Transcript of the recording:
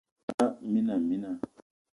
Mini te nòṅ duma mina mina